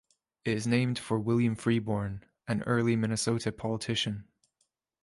It is named for William Freeborn, an early Minnesota politician.